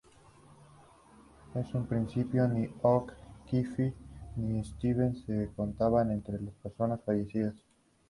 En un principio ni O'Keefe ni Stevens se contaban entre los personas fallecidas.